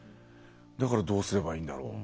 だから、どうすればいいんだろう。